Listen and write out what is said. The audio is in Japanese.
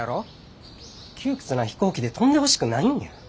窮屈な飛行機で飛んでほしくないんや。